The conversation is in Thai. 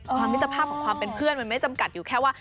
มิตรภาพของความเป็นเพื่อนมันไม่จำกัดอยู่แค่ว่า